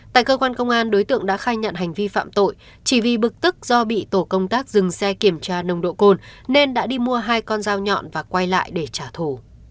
tại cơ quan công an đối tượng đã khai nhận hành vi phạm tội chỉ vì bực tức do bị tổ công tác dừng xe kiểm tra nồng độ cồn nên đã đi mua hai con dao nhọn và quay lại để trả thù